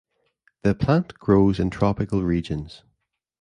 The plant grows in tropical regions.